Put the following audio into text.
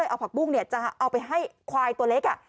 ก็เลยเอาผักบุ้งไปให้ควายตัวเล็ก